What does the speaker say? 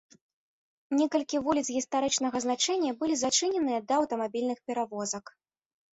Некалькі вуліц гістарычнага значэння былі зачыненыя да аўтамабільных перавозак.